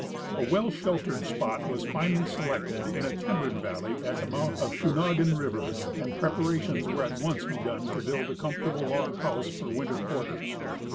A well sheltered spot was finally selected in a timbered valley at the mouth of Suna ghun river, and preparations were at once begun to build a com fortable log house for winter quarters.